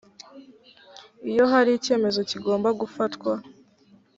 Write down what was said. iyo hari icyemezo kigomba gufatwa